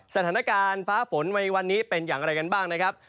สถานการณ์ฟ้าฝนในวันนี้เป็นอย่างไรกันบ้างนะครับ